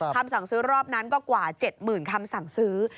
คำสั่งซื้อรอบนั้นก็กว่า๗๐๐๐คำสั่งซื้อ